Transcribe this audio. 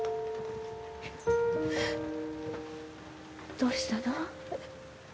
どうしたの？